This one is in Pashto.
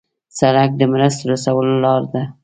سړک د مرستو رسولو لار ده.